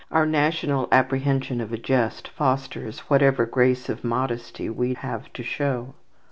Our national apprehension of a jest fosters whatever grace of modesty we have to show.